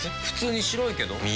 普通に白いけど。